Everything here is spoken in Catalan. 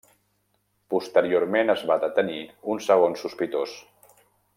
Posteriorment es va detenir un segon sospitós.